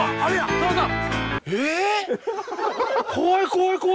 さんまさん。